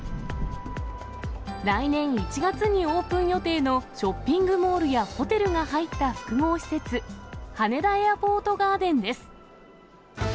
来年１月にオープン予定のショッピングモールやホテルが入った複合施設、羽田エアポートガーデンです。